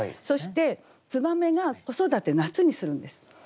そして燕が子育て夏にするんです。